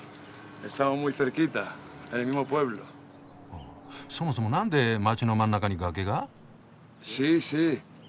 あそもそもなんで街の真ん中に崖が？